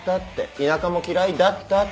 田舎も嫌いだったって。